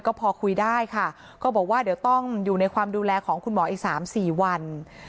ก็พอคุยได้ค่ะก็บอกว่าเดี๋ยวต้องอยู่ในความดูแลของคุณหมออีก๓๔วัน